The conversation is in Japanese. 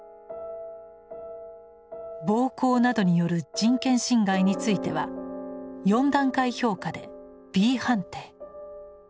暴行等による人権侵害については４段階評価でｂ判定。